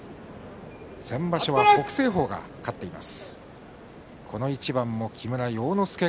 先場所は北青鵬が勝っています。